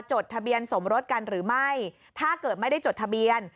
จดทะเบียนสมรสกันหรือไม่ถ้าเกิดไม่ได้จดทะเบียน